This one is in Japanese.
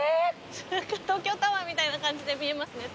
東京タワーみたいな感じで見えますね。